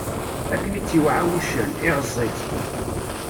Akken i tt-iwɛa wuccen, iɣeẓẓ-itt.